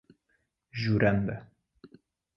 Juranda